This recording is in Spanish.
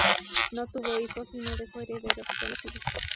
No tuvo hijos y no dejó herederos conocidos.